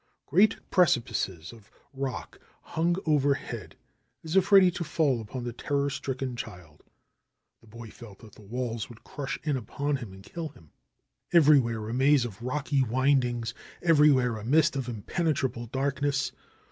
Great precipices of rock hung overhead, as if ready to fall upon the terror stricken child. The boy felt that the walls would crush in upon him and kill him. Everywhere a maze of rocky windings, everywhere a mist of impenetrable darkness.